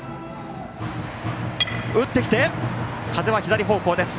打ってきて風は左方向です。